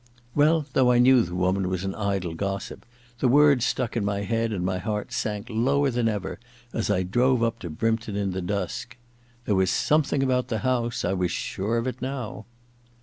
Welly though I knew the woman was an idle gossipy the words stuck in my head, and my heart sank lower than ever as I drove up to Brympton in the dusk. There was something about the house — I was sure of it now